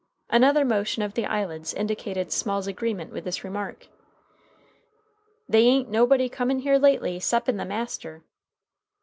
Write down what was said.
Another motion of the eyelids indicated Small's agreement with this remark. "They a'n't nobody come in here lately 'ceppin' the master."